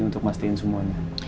untuk mastiin semuanya